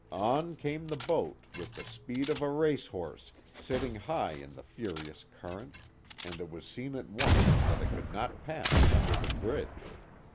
On came the boat, with the speed of a race horse, sitting high in the furious current, and it was seen at once that it could not pass under the bridge.